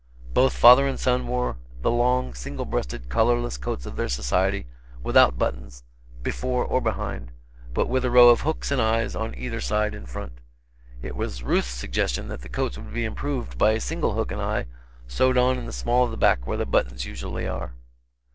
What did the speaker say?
Both father and son wore the long, single breasted collarless coats of their society, without buttons, before or behind, but with a row of hooks and eyes on either side in front. It was Ruth's suggestion that the coats would be improved by a single hook and eye sewed on in the small of the back where the buttons usually are.